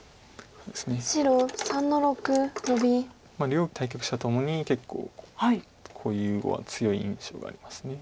両対局者ともに結構こういう碁は強い印象があります。